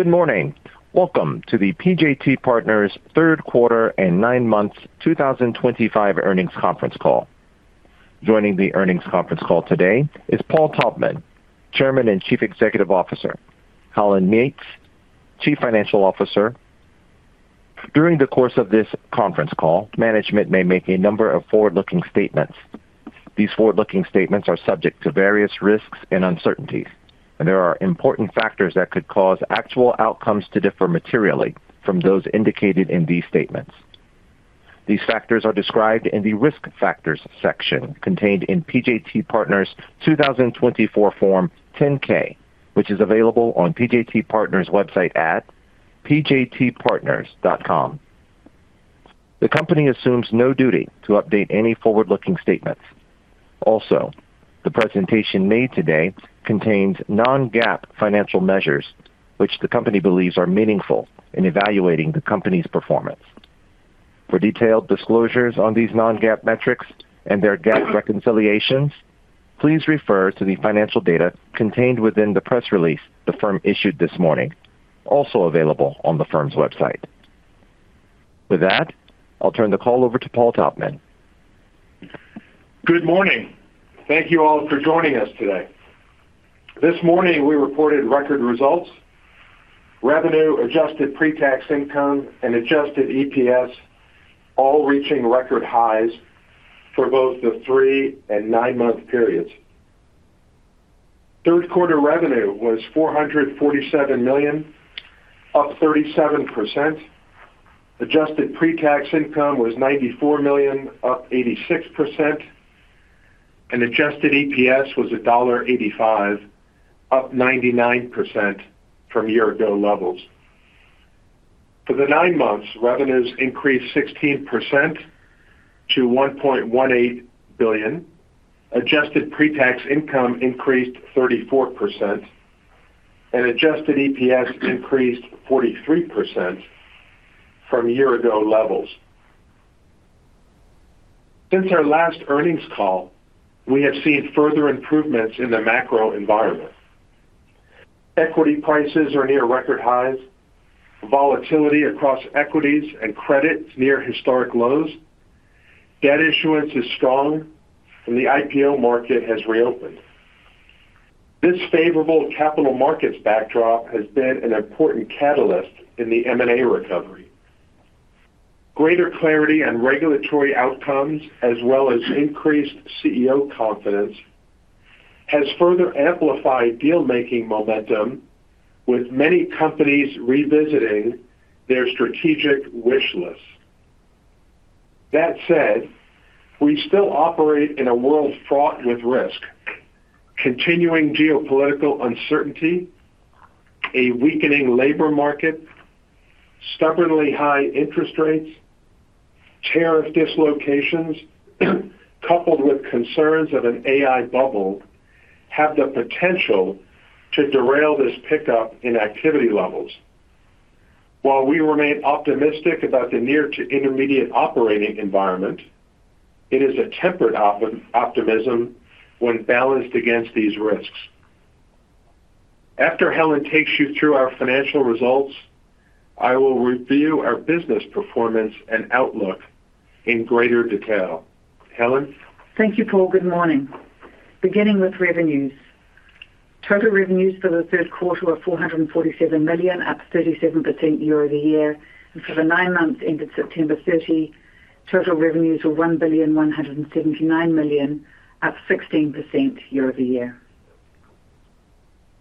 Good morning. Welcome to the PJT Partners' third quarter and nine months 2025 earnings conference call. Joining the earnings conference call today is Paul Taubman, Chairman and Chief Executive Officer; Helen Meates, Chief Financial Officer. During the course of this conference call, management may make a number of forward-looking statements. These forward-looking statements are subject to various risks and uncertainties, and there are important factors that could cause actual outcomes to differ materially from those indicated in these statements. These factors are described in the risk factors section contained in PJT Partners' 2024 Form 10-K, which is available on PJT Partners' website at pjtpartners.com. The company assumes no duty to update any forward-looking statements. Also, the presentation made today contains non-GAAP financial measures, which the company believes are meaningful in evaluating the company's performance. For detailed disclosures on these non-GAAP metrics and their GAAP reconciliations, please refer to the financial data contained within the press release the firm issued this morning, also available on the firm's website. With that, I'll turn the call over to Paul Taubman. Good morning. Thank you all for joining us today. This morning, we reported record results. Revenue, adjusted pre-tax income, and adjusted EPS. All reaching record highs for both the three and nine-month periods. Third quarter revenue was $447 million, up 37%. Adjusted pre-tax income was $94 million, up 86%. And adjusted EPS was $1.85, up 99% from year-ago levels. For the nine months, revenues increased 16% to $1.18 billion. Adjusted pre-tax income increased 34%, and adjusted EPS increased 43% from year-ago levels. Since our last earnings call, we have seen further improvements in the macro environment. Equity prices are near record highs. Volatility across equities and credit near historic lows. Debt issuance is strong, and the IPO market has reopened. This favorable capital markets backdrop has been an important catalyst in the M&A recovery. Greater clarity on regulatory outcomes, as well as increased CEO confidence, has further amplified deal-making momentum, with many companies revisiting their strategic wish list. That said, we still operate in a world fraught with risk. Continuing geopolitical uncertainty, a weakening labor market, stubbornly high interest rates, and tariff dislocations, coupled with concerns of an AI bubble, have the potential to derail this pickup in activity levels. While we remain optimistic about the near-to-intermediate operating environment, it is a tempered optimism when balanced against these risks. After Helen takes you through our financial results, I will review our business performance and outlook in greater detail. Helen. Thank you, Paul. Good morning. Beginning with revenues. Total revenues for the third quarter were $447 million, up 37% year-over-year. For the nine months ended September 30, total revenues were $1.179 billion, up 16% year-over-year.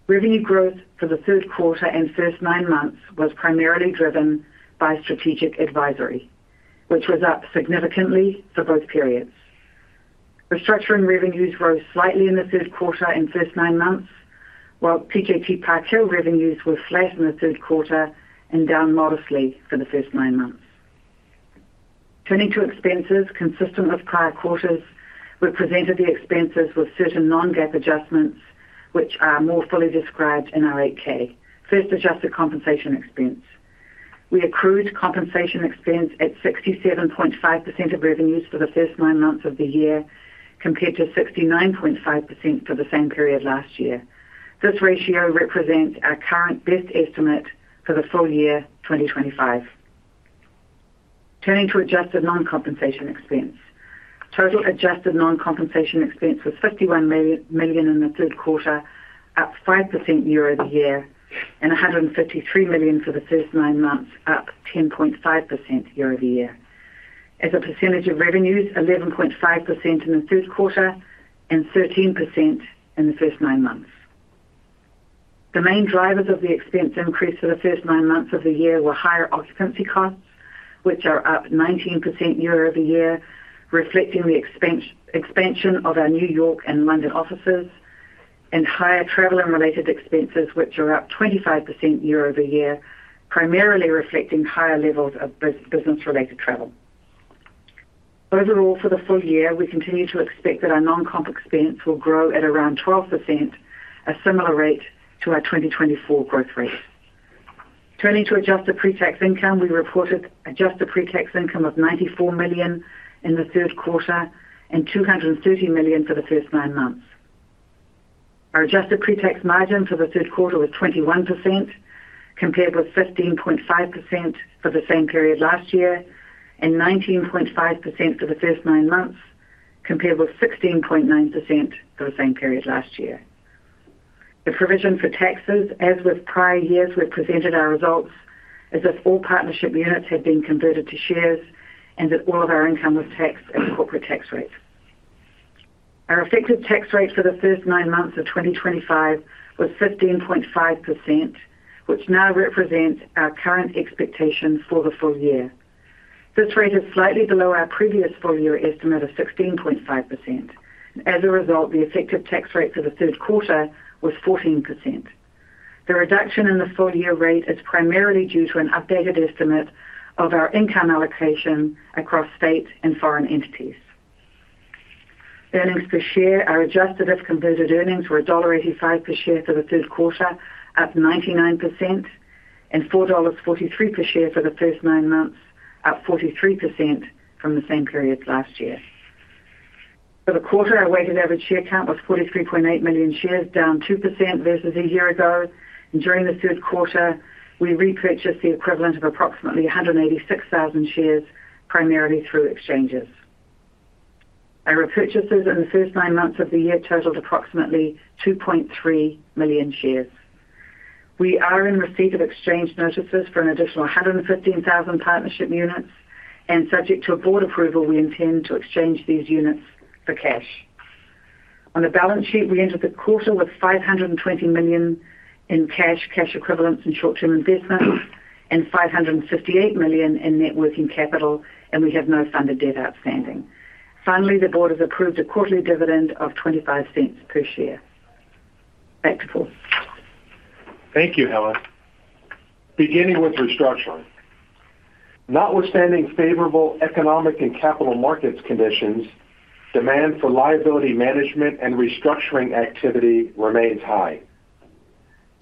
Revenue growth for the third quarter and first nine months was primarily driven by Strategic Advisory, which was up significantly for both periods. Restructuring revenues rose slightly in the third quarter and first nine months, while PJT Partners' revenues were flat in the third quarter and down modestly for the first nine months. Turning to expenses, consistent with prior quarters, we presented the expenses with certain non-GAAP adjustments, which are more fully described in our 8-K. First, adjusted compensation expense. We accrued compensation expense at 67.5% of revenues for the first nine months of the year, compared to 69.5% for the same period last year. This ratio represents our current best estimate for the full year 2025. Turning to adjusted non-compensation expense, total adjusted non-compensation expense was $51 million in the third quarter, up 5% year-over-year, and $153 million for the first nine months, up 10.5% year-over-year. As a percentage of revenues, 11.5% in the third quarter and 13% in the first nine months. The main drivers of the expense increase for the first nine months of the year were higher occupancy costs, which are up 19% year-over-year, reflecting the expansion of our New York and London offices, and higher travel-related expenses, which are up 25% year-over-year, primarily reflecting higher levels of business-related travel. Overall, for the full year, we continue to expect that our non-comp expense will grow at around 12%, a similar rate to our 2024 growth rate. Turning to adjusted pre-tax income, we reported adjusted pre-tax income of $94 million in the third quarter and $230 million for the first nine months. Our adjusted pre-tax margin for the third quarter was 21%, compared with 15.5% for the same period last year, and 19.5% for the first nine months, compared with 16.9% for the same period last year. The provision for taxes, as with prior years we presented our results, is that all partnership units had been converted to shares and that all of our income was taxed at corporate tax rates. Our effective tax rate for the first nine months of 2025 was 15.5%, which now represents our current expectations for the full year. This rate is slightly below our previous full-year estimate of 16.5%. As a result, the effective tax rate for the third quarter was 14%. The reduction in the full-year rate is primarily due to an updated estimate of our income allocation across state and foreign entities. Earnings per share are adjusted if converted earnings were $1.85 per share for the third quarter, up 99%, and $4.43 per share for the first nine months, up 43% from the same period last year. For the quarter, our weighted average share count was 43.8 million shares, down 2% versus a year ago. During the third quarter, we repurchased the equivalent of approximately 186,000 shares, primarily through exchanges. Our repurchases in the first nine months of the year totaled approximately 2.3 million shares. We are in receipt of exchange notices for an additional 115,000 partnership units, and subject to board approval, we intend to exchange these units for cash. On the balance sheet, we ended the quarter with $520 million in cash, cash equivalents, and short-term investments, and $558 million in net working capital, and we have no funded debt outstanding. Finally, the board has approved a quarterly dividend of $0.25 per share. Back to Paul. Thank you, Helen. Beginning with Restructuring. Notwithstanding favorable economic and capital markets conditions, demand for Liability Management and Restructuring activity remains high,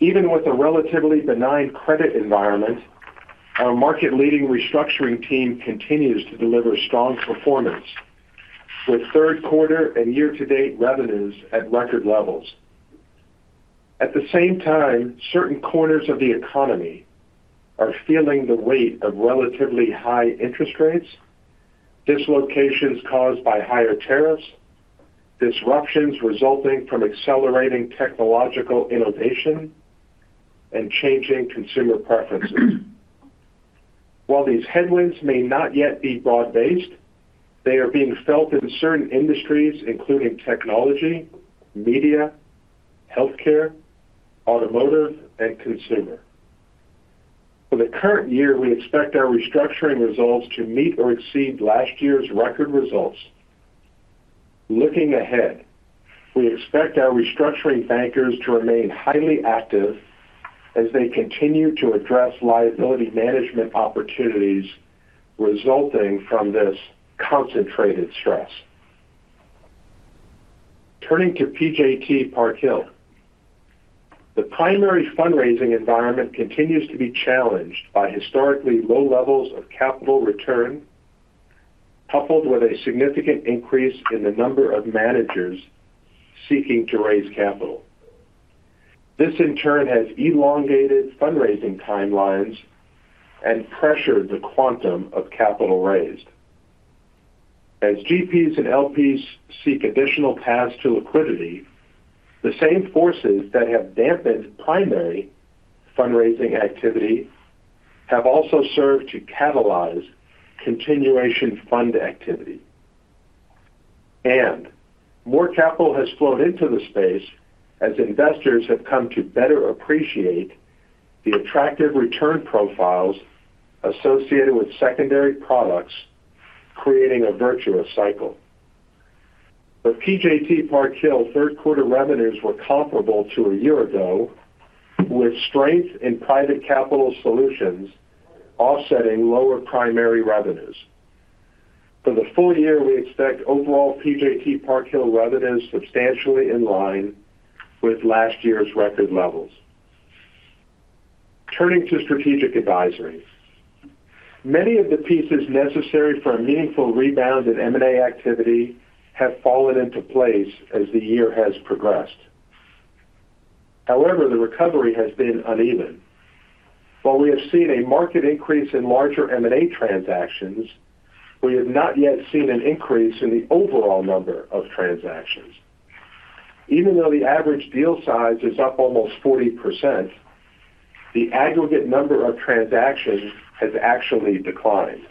even with a relatively benign credit environment. Our market-leading Restructuring team continues to deliver strong performance, with third-quarter and year-to-date revenues at record levels. At the same time, certain corners of the economy are feeling the weight of relatively high interest rates, dislocations caused by higher tariffs, disruptions resulting from accelerating technological innovation, and changing consumer preferences. While these headwinds may not yet be broad-based, they are being felt in certain industries, including technology, media, healthcare, automotive, and consumer. For the current year, we expect our Restructuring results to meet or exceed last year's record results. Looking ahead, we expect our Restructuring bankers to remain highly active as they continue to address Liability Management opportunities resulting from this concentrated stress. Turning to PJT Partners. The primary fundraising environment continues to be challenged by historically low levels of capital return, coupled with a significant increase in the number of managers seeking to raise capital. This, in turn, has elongated fundraising timelines and pressured the quantum of capital raised. As GPs and LPs seek additional paths to liquidity, the same forces that have dampened primary fundraising activity have also served to catalyze Continuation fund activity, and more capital has flowed into the space as investors have come to better appreciate the attractive return profiles associated with secondary products, creating a virtuous cycle. For PJT Partners, third-quarter revenues were comparable to a year ago, with strength in private capital solutions offsetting lower primary revenues. For the full year, we expect overall PJT Partners' revenues substantially in line with last year's record levels. Turning to Strategic Advisory. Many of the pieces necessary for a meaningful rebound in M&A activity have fallen into place as the year has progressed. However, the recovery has been uneven. While we have seen a market increase in larger M&A transactions, we have not yet seen an increase in the overall number of transactions, even though the average deal size is up almost 40%. The aggregate number of transactions has actually declined.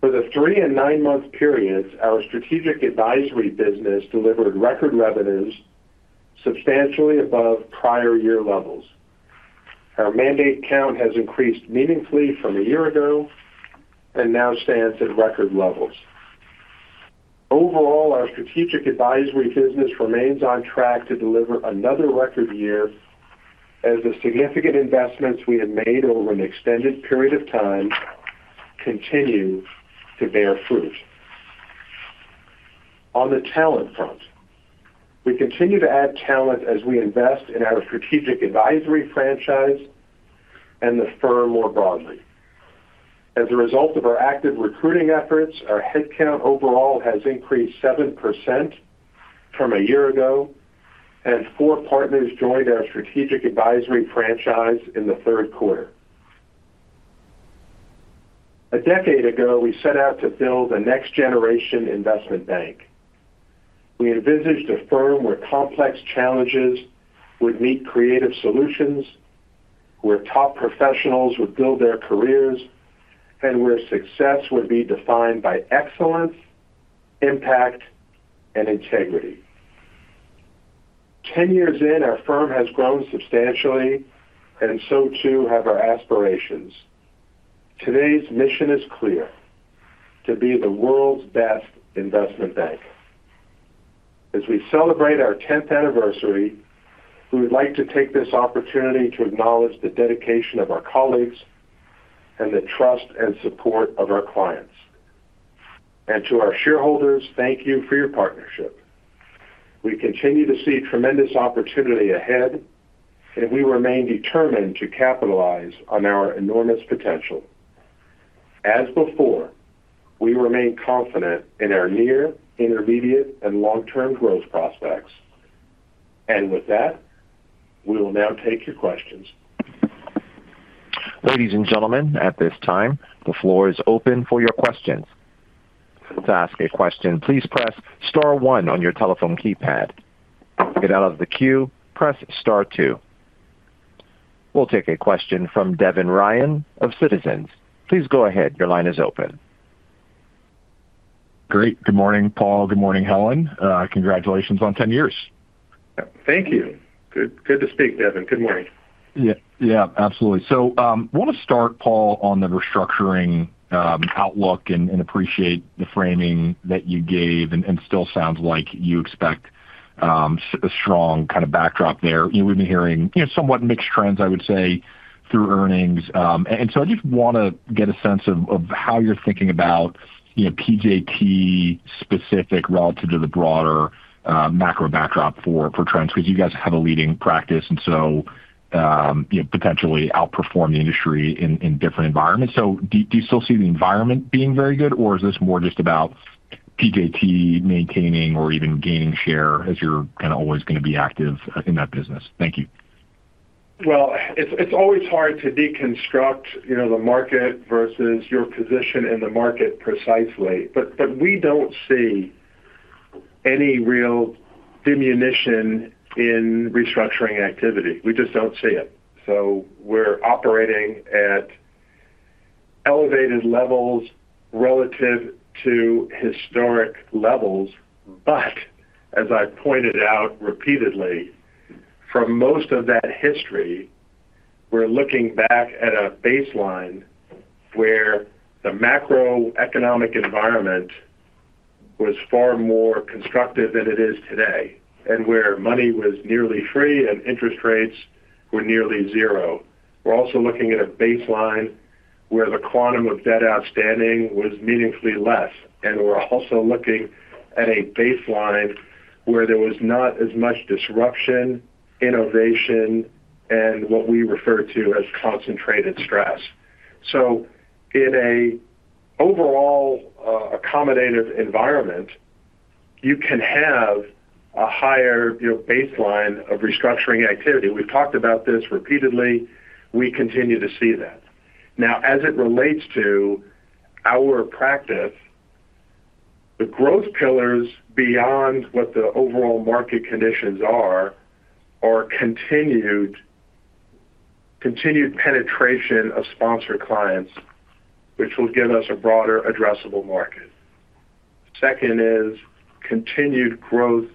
For the three and nine-month periods, our Strategic Advisory business delivered record revenues substantially above prior year levels. Our mandate count has increased meaningfully from a year ago and now stands at record levels. Overall, our Strategic Advisory business remains on track to deliver another record year, as the significant investments we have made over an extended period of time continue to bear fruit. On the talent front, we continue to add talent as we invest in our Strategic Advisory franchise and the firm more broadly. As a result of our active recruiting efforts, our headcount overall has increased 7% from a year ago, and four partners joined our Strategic Advisory franchise in the third quarter. A decade ago, we set out to build a next-generation investment bank. We envisaged a firm where complex challenges would meet creative solutions, where top professionals would build their careers, and where success would be defined by excellence, impact, and integrity. Ten years in, our firm has grown substantially, and so too have our aspirations. Today's mission is clear: to be the world's best investment bank. As we celebrate our 10th anniversary, we would like to take this opportunity to acknowledge the dedication of our colleagues and the trust and support of our clients. To our shareholders, thank you for your partnership. We continue to see tremendous opportunity ahead, and we remain determined to capitalize on our enormous potential. As before, we remain confident in our near, intermediate, and long-term growth prospects. With that, we will now take your questions. Ladies and gentlemen, at this time, the floor is open for your questions. To ask a question, please press star one on your telephone keypad. To get out of the queue, press star two. We'll take a question from Devin Ryan of Citizens. Please go ahead. Your line is open. Great. Good morning, Paul. Good morning, Helen. Congratulations on 10 years. Thank you. Good to speak, Devin. Good morning. Yeah, absolutely. I want to start, Paul, on the Restructuring outlook and appreciate the framing that you gave. It still sounds like you expect a strong kind of backdrop there. We've been hearing somewhat mixed trends, I would say, through earnings. I just want to get a sense of how you're thinking about PJT-specific relative to the broader macro backdrop for trends, because you guys have a leading practice and potentially outperform the industry in different environments. Do you still see the environment being very good, or is this more just about PJT maintaining or even gaining share as you're kind of always going to be active in that business? Thank you. It's always hard to deconstruct the market versus your position in the market precisely. We don't see any real diminution in Restructuring activity. We just don't see it. We're operating at elevated levels relative to historic levels. As I've pointed out repeatedly, for most of that history, we're looking back at a baseline where the macroeconomic environment was far more constructive than it is today, and where money was nearly free and interest rates were nearly zero. We're also looking at a baseline where the quantum of debt outstanding was meaningfully less. We're also looking at a baseline where there was not as much disruption, innovation, and what we refer to as concentrated stress. In an overall accommodative environment, you can have a higher baseline of Restructuring activity. We've talked about this repeatedly. We continue to see that. Now, as it relates to our practice, the growth pillars beyond what the overall market conditions are, are continued penetration of sponsor clients, which will give us a broader addressable market. Second is continued growth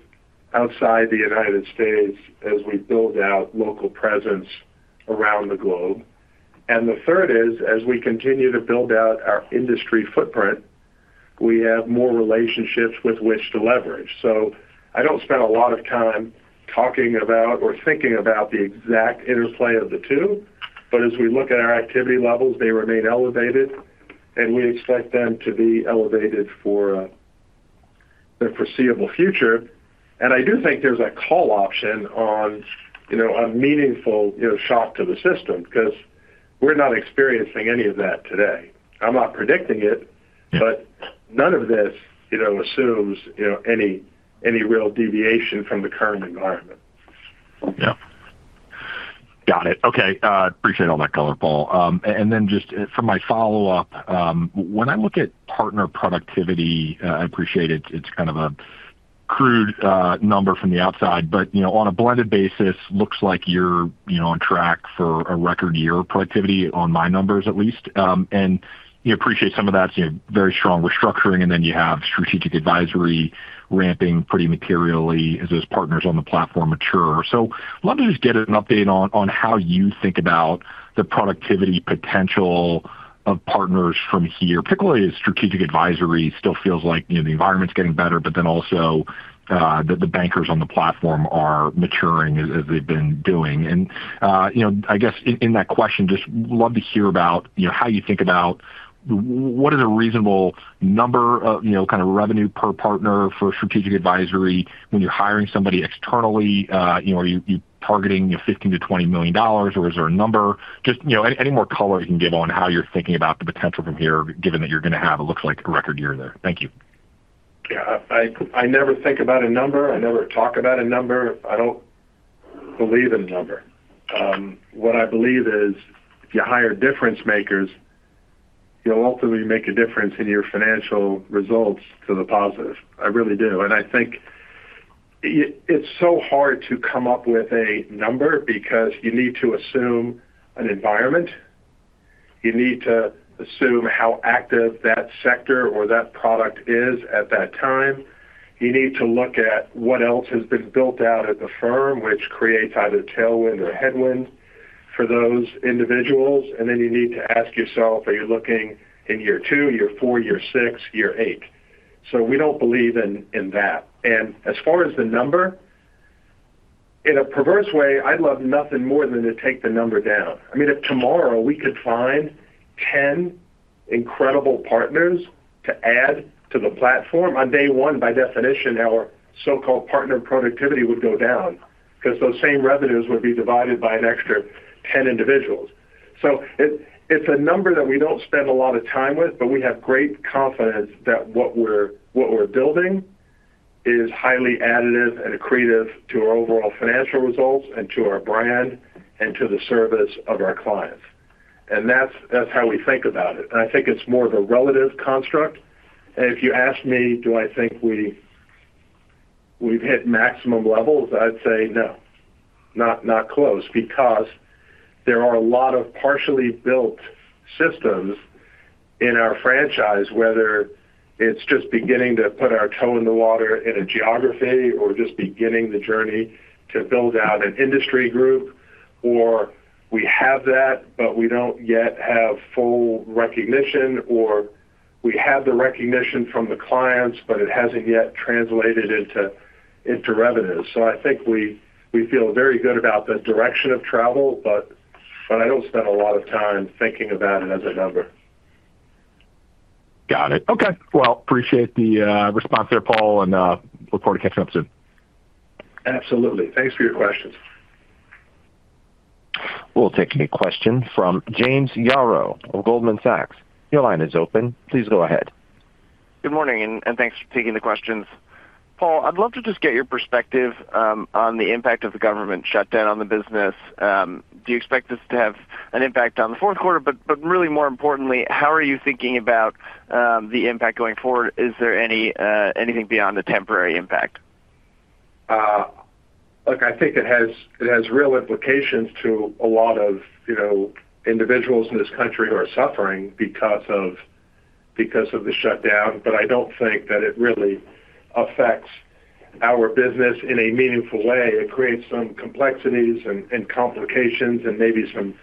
outside the United States as we build out local presence around the globe. The third is, as we continue to build out our industry footprint, we have more relationships with which to leverage. I don't spend a lot of time talking about or thinking about the exact interplay of the two, but as we look at our activity levels, they remain elevated, and we expect them to be elevated for the foreseeable future. I do think there's a call option on a meaningful shock to the system because we're not experiencing any of that today. I'm not predicting it, but none of this assumes any real deviation from the current environment. Yeah. Got it. Okay. Appreciate all that color, Paul. And then just for my follow-up, when I look at partner productivity, I appreciate it's kind of a crude number from the outside, but on a blended basis, it looks like you're on track for a record year of productivity on my numbers, at least. And I appreciate some of that. Very strong restructuring, and then you have Strategic Advisory ramping pretty materially as those partners on the platform mature. I'd love to just get an update on how you think about the productivity potential of partners from here, particularly as Strategic Advisory still feels like the environment's getting better, but then also the bankers on the platform are maturing as they've been doing. I guess in that question, just love to hear about how you think about what is a reasonable number of kind of revenue per partner for Strategic Advisory when you're hiring somebody externally. Are you targeting $15 million-$20 million, or is there a number? Just any more color you can give on how you're thinking about the potential from here, given that you're going to have what looks like a record year there. Thank you. Yeah. I never think about a number. I never talk about a number. I don't believe in a number. What I believe is if you hire difference makers, you'll ultimately make a difference in your financial results to the positive. I really do. I think it's so hard to come up with a number because you need to assume an environment. You need to assume how active that sector or that product is at that time. You need to look at what else has been built out at the firm, which creates either tailwind or headwind for those individuals. You need to ask yourself, are you looking in year two, year four, year six, year eight? We don't believe in that. As far as the number, in a perverse way, I'd love nothing more than to take the number down. I mean, if tomorrow we could find 10 incredible partners to add to the platform, on day one, by definition, our so-called partner productivity would go down because those same revenues would be divided by an extra 10 individuals. It's a number that we don't spend a lot of time with, but we have great confidence that what we're building is highly additive and accretive to our overall financial results and to our brand and to the service of our clients. That's how we think about it. I think it's more of a relative construct. If you ask me, do I think we've hit maximum levels, I'd say no. Not close because there are a lot of partially built systems in our franchise, whether it's just beginning to put our toe in the water in a geography or just beginning the journey to build out an industry group, or we have that, but we don't yet have full recognition, or we have the recognition from the clients, but it hasn't yet translated into revenues. I think we feel very good about the direction of travel, but I don't spend a lot of time thinking about it as a number. Got it. Okay, appreciate the response there, Paul, and look forward to catching up soon. Absolutely. Thanks for your questions. We'll take a question from James Yaro of Goldman Sachs. Your line is open. Please go ahead. Good morning, and thanks for taking the questions. Paul, I'd love to just get your perspective on the impact of the government shutdown on the business. Do you expect this to have an impact on the fourth quarter? More importantly, how are you thinking about the impact going forward? Is there anything beyond the temporary impact? Look, I think it has real implications to a lot of individuals in this country who are suffering because of the shutdown. I do not think that it really affects our business in a meaningful way. It creates some complexities and complications and maybe some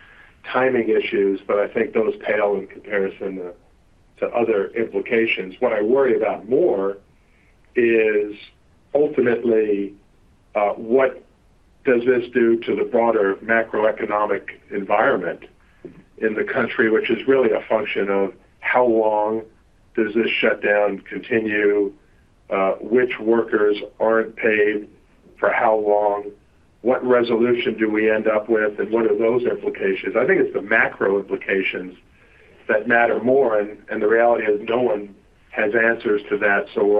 timing issues, but I think those pale in comparison to other implications. What I worry about more is, ultimately, what does this do to the broader macroeconomic environment in the country, which is really a function of how long does this shutdown continue, which workers are not paid for how long, what resolution do we end up with, and what are those implications? I think it is the macro implications that matter more. The reality is no one has answers to that, so we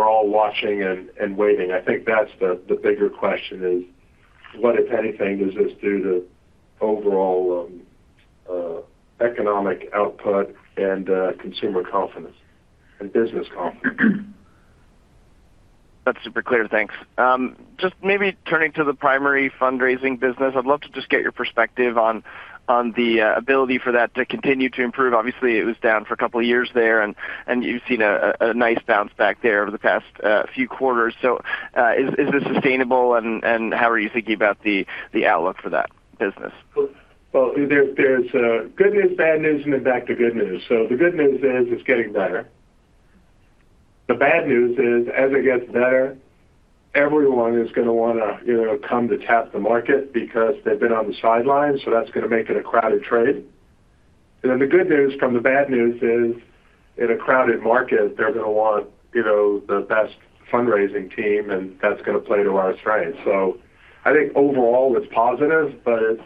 are all watching and waiting. I think that is the bigger question: what, if anything, does this do to overall economic output and consumer confidence and business confidence? That's super clear. Thanks. Just maybe turning to the primary fundraising business, I'd love to just get your perspective on the ability for that to continue to improve. Obviously, it was down for a couple of years there, and you've seen a nice bounce back there over the past few quarters. Is this sustainable, and how are you thinking about the outlook for that business? There is good news, bad news, and in fact, the good news. The good news is it's getting better. The bad news is, as it gets better, everyone is going to want to come to tap the market because they've been on the sidelines, so that's going to make it a crowded trade. The good news from the bad news is, in a crowded market, they're going to want the best fundraising team, and that's going to play to our strengths. I think overall, it's positive, but it's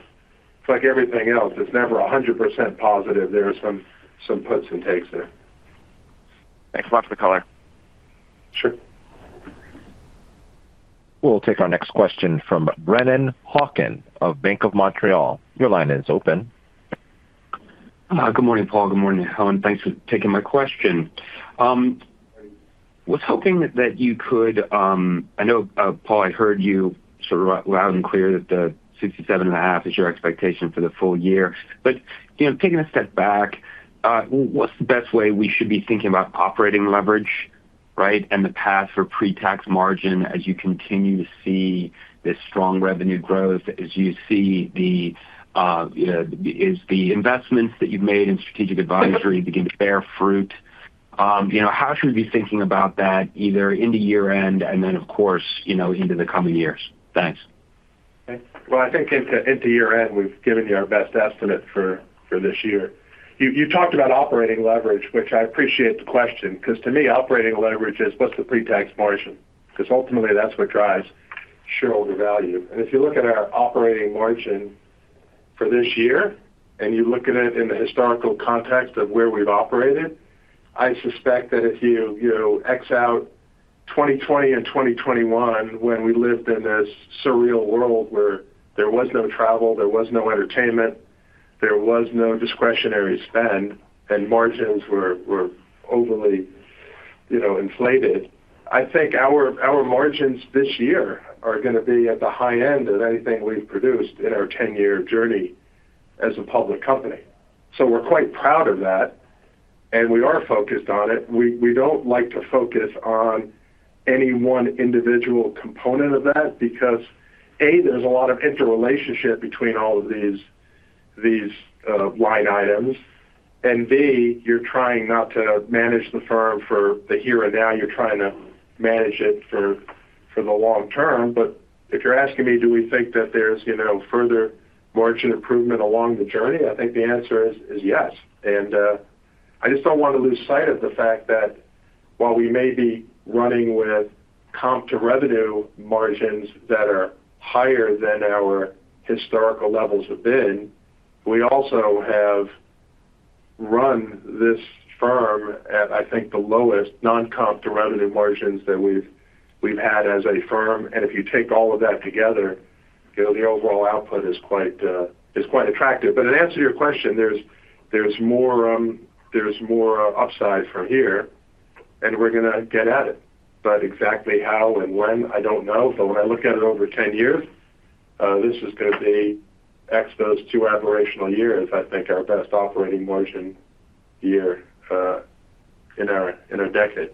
like everything else. It's never 100% positive. There are some puts and takes there. Thanks a lot for the color. Sure. We'll take our next question from Brennan Hawken of Bank of Montreal. Your line is open. Good morning, Paul. Good morning, Helen. Thanks for taking my question. I was hoping that you could—I know, Paul, I heard you sort of loud and clear that the 67.5% is your expectation for the full year. Taking a step back, what's the best way we should be thinking about operating leverage, right, and the path for pre-tax margin as you continue to see this strong revenue growth, as you see the—is the investments that you've made in Strategic Advisory begin to bear fruit? How should we be thinking about that either into year-end and then, of course, into the coming years? Thanks. Okay. I think into year-end, we've given you our best estimate for this year. You talked about operating leverage, which I appreciate the question because, to me, operating leverage is what's the pre-tax margin? Because ultimately, that's what drives shareholder value. If you look at our operating margin for this year and you look at it in the historical context of where we've operated, I suspect that if you X out 2020 and 2021 when we lived in this surreal world where there was no travel, there was no entertainment, there was no discretionary spend, and margins were overly inflated, I think our margins this year are going to be at the high end of anything we've produced in our 10-year journey as a public company. We are quite proud of that. We are focused on it. We don't like to focus on any one individual component of that because, A, there's a lot of interrelationship between all of these line items, and B, you're trying not to manage the firm for the here and now. You're trying to manage it for the long term. If you're asking me, do we think that there's further margin improvement along the journey? I think the answer is yes. I just don't want to lose sight of the fact that while we may be running with comp to revenue margins that are higher than our historical levels have been, we also have run this firm at, I think, the lowest non-comp to revenue margins that we've had as a firm. If you take all of that together, the overall output is quite attractive. In answer to your question, there's more upside from here, and we're going to get at it. Exactly how and when, I don't know. When I look at it over 10 years, this is going to be, exposed to two aberrational years, I think, our best operating margin year in a decade.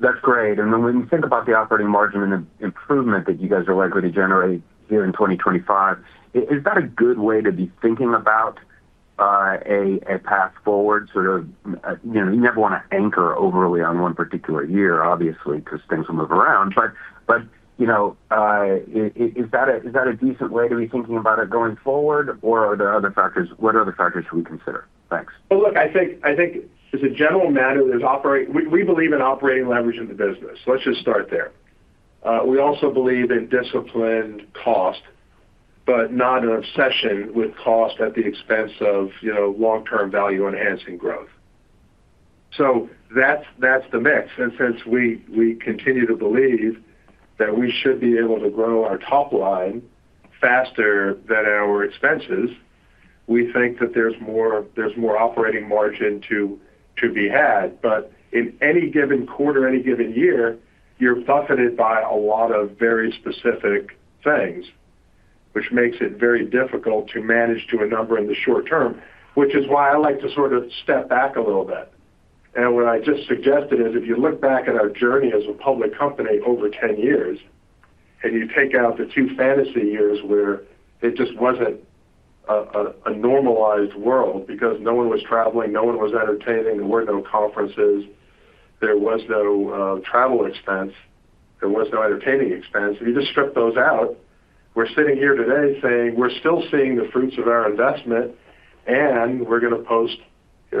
That's great. When we think about the operating margin improvement that you guys are likely to generate here in 2025, is that a good way to be thinking about a path forward? You never want to anchor overly on one particular year, obviously, because things will move around. Is that a decent way to be thinking about it going forward, or are there other factors? What other factors should we consider? Thanks. I think as a general matter, we believe in operating leverage in the business. Let's just start there. We also believe in disciplined cost, but not an obsession with cost at the expense of long-term value-enhancing growth. That is the mix. Since we continue to believe that we should be able to grow our top line faster than our expenses, we think that there is more operating margin to be had. In any given quarter, any given year, you are buffeted by a lot of very specific things, which makes it very difficult to manage to a number in the short term, which is why I like to sort of step back a little bit. What I just suggested is, if you look back at our journey as a public company over 10 years and you take out the two fantasy years where it just was not a normalized world because no one was traveling, no one was entertaining, there were no conferences, there was no travel expense, there was no entertaining expense, and you just strip those out, we are sitting here today saying we are still seeing the fruits of our investment, and we are going to post,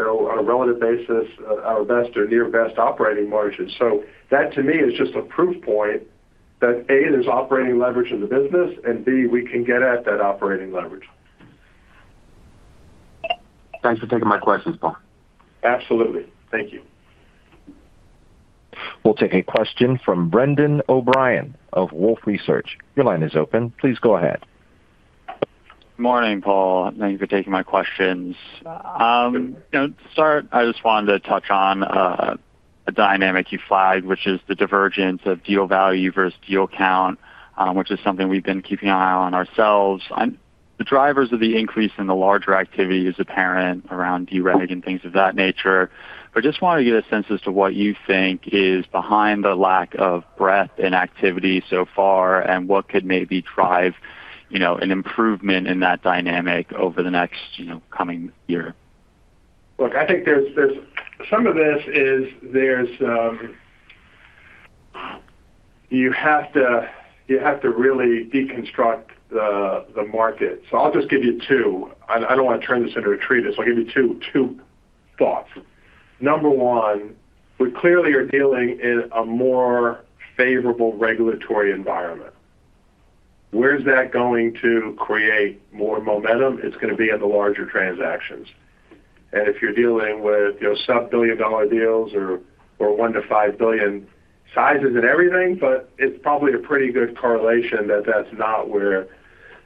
on a relative basis, our best or near best operating margin. That, to me, is just a proof point that, A, there is operating leverage in the business, and B, we can get at that operating leverage. Thanks for taking my questions, Paul. Absolutely. Thank you. We'll take a question from Brendan O'Brien of Wolfe Research. Your line is open. Please go ahead. Good morning, Paul. Thank you for taking my questions. To start, I just wanted to touch on a dynamic you flagged, which is the divergence of deal value versus deal count, which is something we've been keeping an eye on ourselves. The drivers of the increase in the larger activity is apparent around [DREG] and things of that nature. I just wanted to get a sense as to what you think is behind the lack of breadth in activity so far and what could maybe drive an improvement in that dynamic over the next coming year. Look, I think some of this is. You have to really deconstruct the market. I'll just give you two. I don't want to turn this into a treatise. I'll give you two thoughts. Number one, we clearly are dealing in a more favorable regulatory environment. Where's that going to create more momentum? It's going to be in the larger transactions. If you're dealing with sub-billion-dollar deals or $1 billion-$5 billion sizes and everything, it's probably a pretty good correlation that that's not where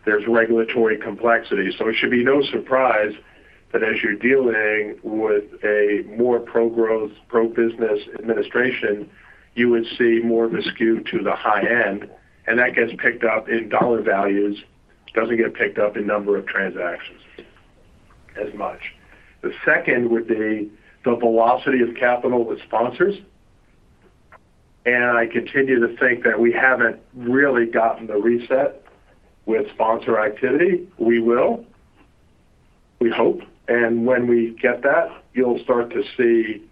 there's regulatory complexity. It should be no surprise that as you're dealing with a more pro-growth, pro-business administration, you would see more of a skew to the high end. That gets picked up in dollar values, doesn't get picked up in number of transactions as much. The second would be the velocity of capital with sponsors. I continue to think that we haven't really gotten the reset with sponsor activity. We will. We hope. When we get that, you'll start to see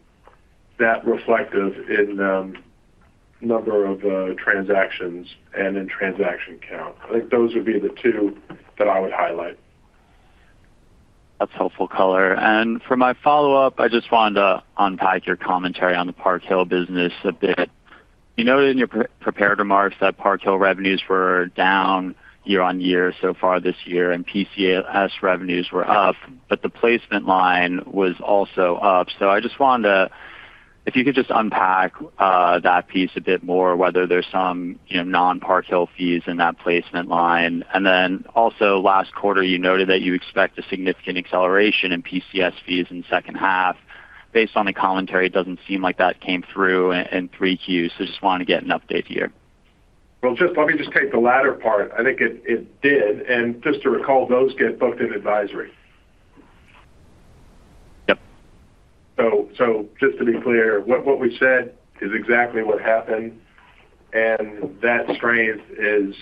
that reflected in the number of transactions and in transaction count. I think those would be the two that I would highlight. That's helpful color. For my follow-up, I just wanted to unpack your commentary on the Park Hill business a bit. You noted in your prepared remarks that Park Hill revenues were down year-on-year so far this year and PCS revenues were up, but the placement line was also up. I just wanted to, if you could just unpack that piece a bit more, whether there's some non-Park Hill fees in that placement line. Also, last quarter, you noted that you expect a significant acceleration in PCS fees in the second half. Based on the commentary, it does not seem like that came through in three Qs. I just wanted to get an update here. Let me just take the latter part. I think it did. And just to recall, those get booked in advisory. Yep. Just to be clear, what we said is exactly what happened. That strength is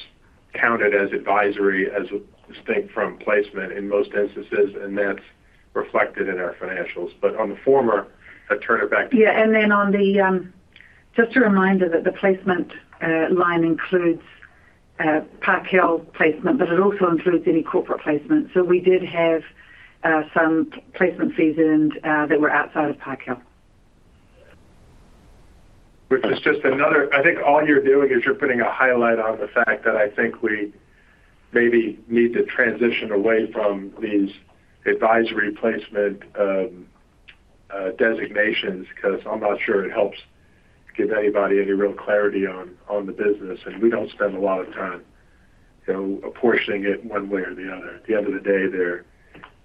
counted as advisory as distinct from placement in most instances, and that's reflected in our financials. On the former, I'd turn it back to you. Yeah. And then on the, just a reminder that the placement line includes Park Hill placement, but it also includes any corporate placement. So we did have some placement fees that were outside of Park Hill. Which is just another—I think all you're doing is you're putting a highlight on the fact that I think we maybe need to transition away from these advisory placement designations because I'm not sure it helps give anybody any real clarity on the business. We don't spend a lot of time apportioning it one way or the other. At the end of the day,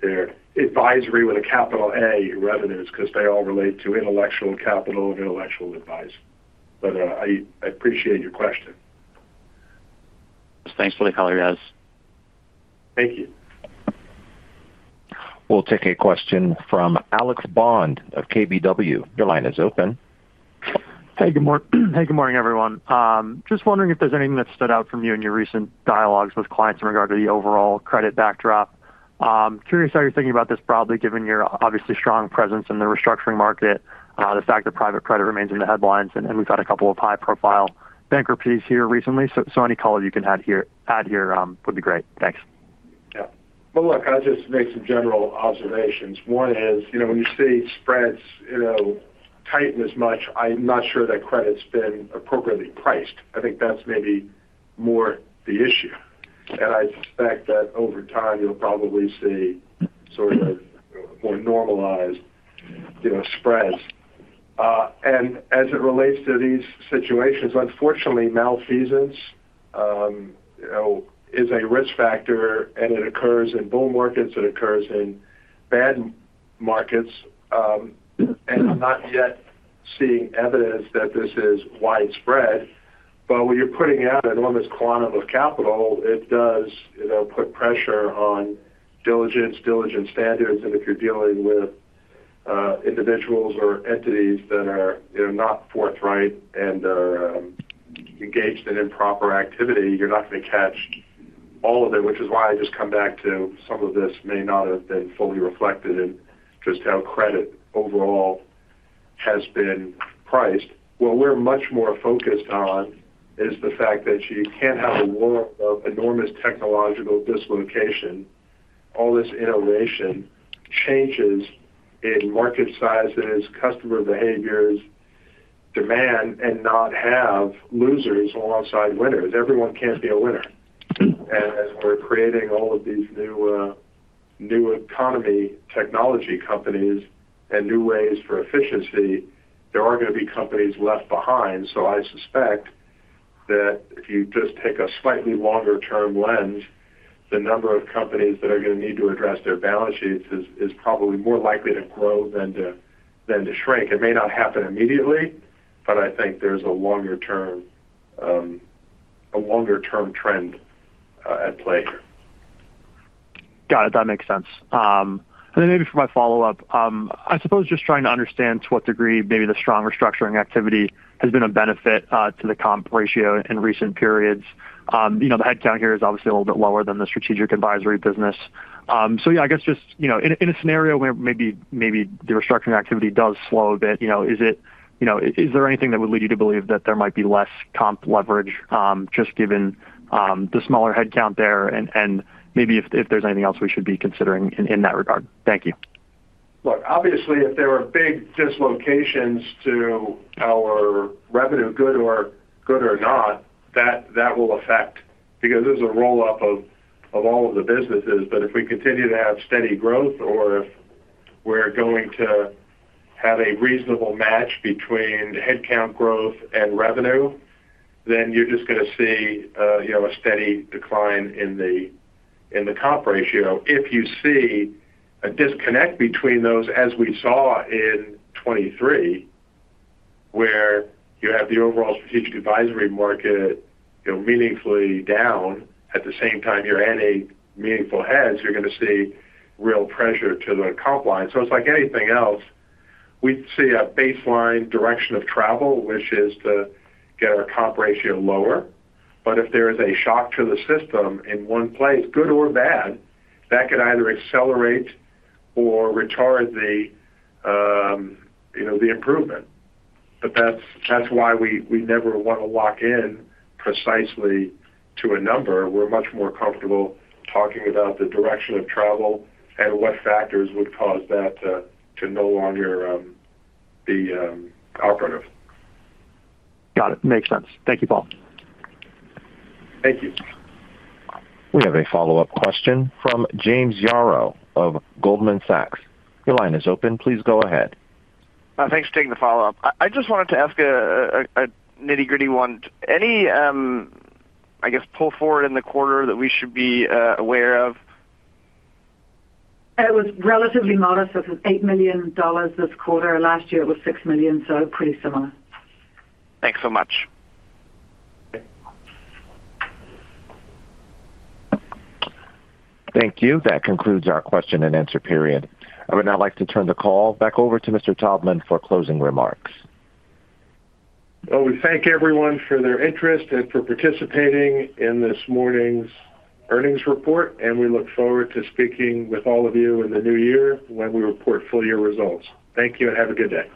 they're advisory with a capital A, revenues, because they all relate to intellectual capital and intellectual advice. I appreciate your question. Thanks for the color, guys. Thank you. We'll take a question from Alex Bond of KBW. Your line is open. Hey, good morning, everyone. Just wondering if there's anything that stood out from you in your recent dialogues with clients in regard to the overall credit backdrop. Curious how you're thinking about this, probably given your obviously strong presence in the Restructuring market, the fact that private credit remains in the headlines, and we've had a couple of high-profile bankruptcies here recently. Any color you can add here would be great. Thanks. Yeah. Look, I'll just make some general observations. One is, when you see spreads tighten as much, I'm not sure that credit's been appropriately priced. I think that's maybe more the issue. I suspect that over time, you'll probably see sort of more normalized spreads. As it relates to these situations, unfortunately, malfeasance is a risk factor, and it occurs in bull markets. It occurs in bad markets. I'm not yet seeing evidence that this is widespread. When you're putting out an enormous quantum of capital, it does put pressure on diligence, diligence standards. If you're dealing with individuals or entities that are not forthright and are engaged in improper activity, you're not going to catch all of it, which is why I just come back to some of this may not have been fully reflected in just how credit overall has been priced. What we're much more focused on is the fact that you can't have a world of enormous technological dislocation, all this innovation, changes in market sizes, customer behaviors, demand, and not have losers alongside winners. Everyone can't be a winner. As we're creating all of these new economy technology companies and new ways for efficiency, there are going to be companies left behind. I suspect that if you just take a slightly longer-term lens, the number of companies that are going to need to address their balance sheets is probably more likely to grow than to shrink. It may not happen immediately, but I think there's a longer-term trend at play here. Got it. That makes sense. Maybe for my follow-up, I suppose just trying to understand to what degree maybe the stronger Restructuring activity has been a benefit to the comp ratio in recent periods. The headcount here is obviously a little bit lower than the Strategic Advisory business. I guess just in a scenario where maybe the Restructuring activity does slow a bit, is there anything that would lead you to believe that there might be less comp leverage just given the smaller headcount there? Maybe if there is anything else we should be considering in that regard. Thank you. Look, obviously, if there are big dislocations to our revenue, good or not, that will affect because there's a roll-up of all of the businesses. If we continue to have steady growth or if we're going to have a reasonable match between headcount growth and revenue, then you're just going to see a steady decline in the comp ratio. If you see a disconnect between those, as we saw in 2023, where you have the overall strategic advisory market meaningfully down, at the same time you're adding meaningful heads, you're going to see real pressure to the comp line. It is like anything else. We see a baseline direction of travel, which is to get our comp ratio lower. If there is a shock to the system in one place, good or bad, that could either accelerate or retard the improvement. That is why we never want to lock in precisely to a number. We're much more comfortable talking about the direction of travel and what factors would cause that to no longer be operative. Got it. Makes sense. Thank you, Paul. Thank you. We have a follow-up question from James Yaro of Goldman Sachs. Your line is open. Please go ahead. Thanks for taking the follow-up. I just wanted to ask a nitty-gritty one. Any, I guess, pull forward in the quarter that we should be aware of? It was relatively modest. It was $8 million this quarter. Last year, it was $6 million, so pretty similar. Thanks so much. Thank you. That concludes our question and answer period. I would now like to turn the call back over to Mr. Taubman for closing remarks. We thank everyone for their interest and for participating in this morning's earnings report, and we look forward to speaking with all of you in the new year when we report full year results. Thank you and have a good day.